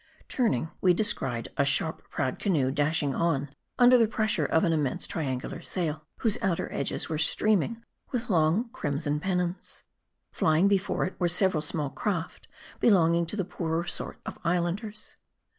Turning, we descried a sharp prowed canoe, dashing on, under the pressure of an immense triangular sail, whose outer edges were streaming with long, crimson pennons. Flying before it, were several small craft, belonging to the poorer sort of Islanders.